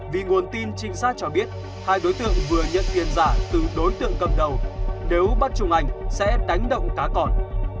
vì nguồn tin trinh sát cho biết hai đối tượng vừa nhận quyền giả từ đối tượng cầm đầu nếu bắt trùng ảnh sẽ đánh động cá con